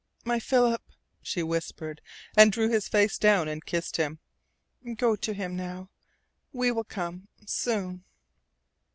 "My Philip," she whispered, and drew his face down and kissed him. "Go to him now. We will come soon."